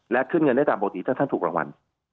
และขึ้นเงินได้ตามปกติถ้าท่านถูกรางวัล